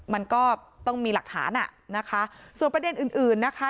มันก็ต้องมีหลักฐานอ่ะนะคะส่วนประเด็นอื่นอื่นนะคะ